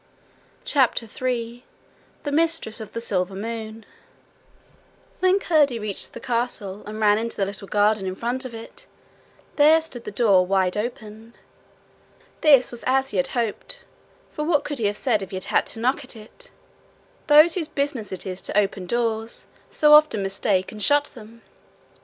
CHAPTER 3 The Mistress of the Silver Moon When Curdie reached the castle, and ran into the little garden in front of it, there stood the door wide open. This was as he had hoped, for what could he have said if he had had to knock at it? Those whose business it is to open doors, so often mistake and shut them!